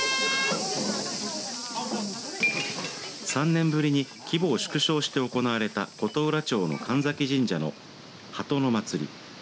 ３年ぶりに規模を縮小して行われた琴浦町の神埼神社の波止のまつり。